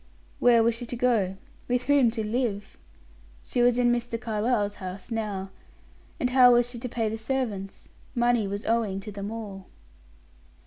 Where was she to go? With whom to live? She was in Mr. Carlyle's house now. And how was she to pay the servants? Money was owing to them all.